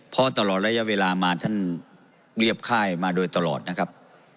เพราะตลอดระยะเวลามาท่านเรียบค่ายมาโดยตลอดนะครับ